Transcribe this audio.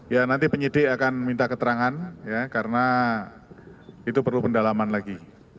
ya nanti penyidik akan minta keterangan ya karena itu perlu pendalaman lagi